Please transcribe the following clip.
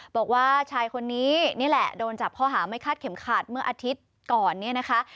บอกว่าชายคนนี้นี่แหละโดนจับข้อหาไม่คาดเข็มขาดเมื่ออาทิตย์ก่อนเนี่ยนะคะ